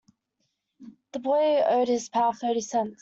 The boy owed his pal thirty cents.